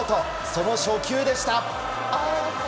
その初球でした。